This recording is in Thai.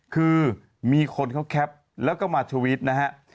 คือมีคนเขาแคปแล้วก็มาทวิตนะฮะ